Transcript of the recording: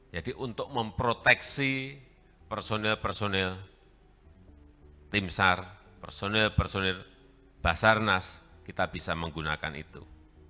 jadi untuk memproteksi personil personil tim sar personil personil basarnas kita bisa menggunakan itu